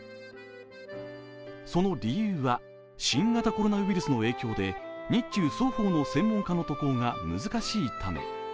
その理由は、新型コロナウイルスの影響で日中双方の専門家の渡航が難しいため。